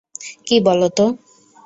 কী বলো তো?